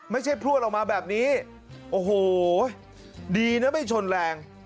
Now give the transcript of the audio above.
พลวดออกมาแบบนี้โอ้โหดีนะไม่ชนแรง